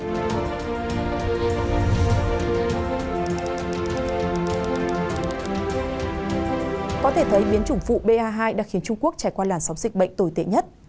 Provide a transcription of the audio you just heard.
các bạn có thể thấy biến chủng vụ ba hai đã khiến trung quốc trải qua làn sóng dịch bệnh tồi tệ nhất